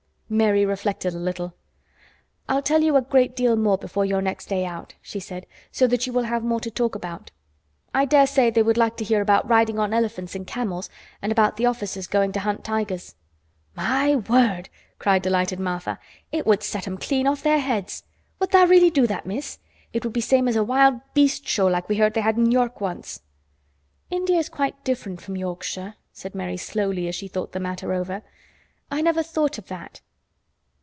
Mary reflected a little. "I'll tell you a great deal more before your next day out," she said, "so that you will have more to talk about. I dare say they would like to hear about riding on elephants and camels, and about the officers going to hunt tigers." "My word!" cried delighted Martha. "It would set 'em clean off their heads. Would tha' really do that, Miss? It would be same as a wild beast show like we heard they had in York once." "India is quite different from Yorkshire," Mary said slowly, as she thought the matter over. "I never thought of that.